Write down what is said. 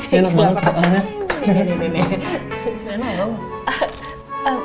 ini enak banget soalnya